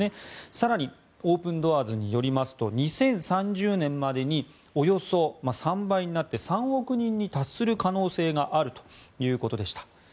更に、オープン・ドアーズによりますと２０３０年までにおよそ３倍になって３億人に達する可能性があるということでした。